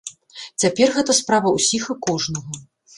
Цяпер гэта справа ўсіх і кожнага!